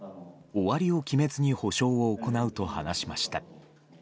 終わりを決めずに補償を行うと話しました。